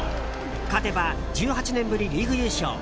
勝てば、１８年ぶりリーグ優勝。